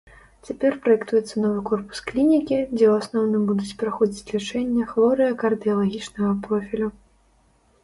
Цяпер праектуецца новы корпус клінікі, дзе ў асноўным будуць праходзіць лячэнне хворыя кардыялагічнага профілю.